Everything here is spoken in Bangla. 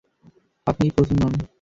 আপনিই প্রথম নন!